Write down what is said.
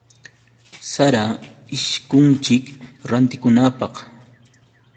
Sara ishkunchik rantikunapaq.